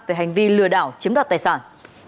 về hành vi lừa đảo chiếm đoạt tài sản